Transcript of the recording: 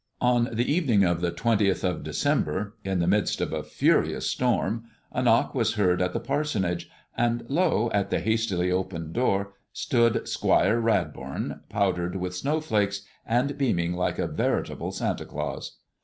On the evening of the twentieth of December, in the midst of a furious storm, a knock was heard at the parsonage, and lo, at the hastily opened door stood Squire Radbourne, powdered with snowflakes, and beaming like a veritable Santa Claus.